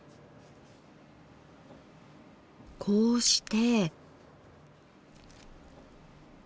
こうして。